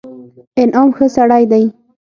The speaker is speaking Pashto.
انعام ښه سړى دئ.